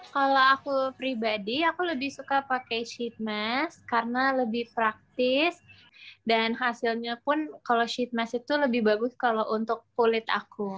kalau aku pribadi aku lebih suka pakai sheet mass karena lebih praktis dan hasilnya pun kalau sheet mass itu lebih bagus kalau untuk kulit aku